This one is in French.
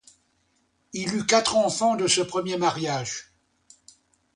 Il eut quatre enfants de ce premier mariage.